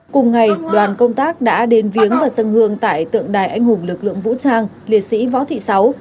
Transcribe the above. cùng ngày đoàn công tác đã đến viếng và dân hương tại tượng đài anh hùng lực lượng vũ trang liệt sĩ võ thị sáu